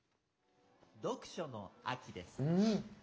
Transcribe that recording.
読書の秋です。